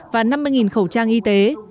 và năm mươi khẩu trang y tế